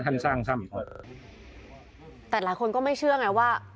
แต่หลายคนก็ไม่เชื่อไงว่า